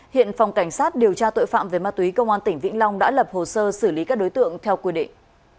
hiện phòng cảnh sát điều tra tội phạm về ma túy công an tỉnh vĩnh long đã lập hồ sơ xử lý các đối tượng theo quy định